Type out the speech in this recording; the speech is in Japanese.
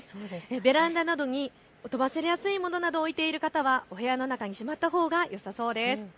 ベランダなどに飛ばされやすいものを置いている方はお部屋の中にしまったほうがよさそうです。